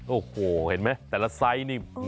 โอ้โหเห็นไหมแต่ละไซส์นี่